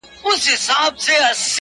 را ايله يې کړه آزار دی جادوگري;